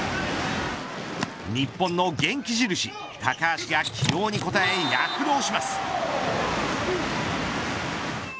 日本の元気印、高橋が起用に応え、躍動します。